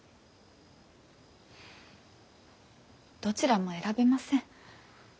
どちらも選べません。